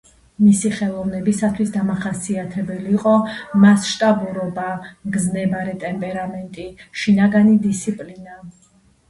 მისი ხელოვნებისათვის დამახასიათებელი იყო მასშტაბურობა, მგზნებარე ტემპერამენტი, შინაგანი დისციპლინა.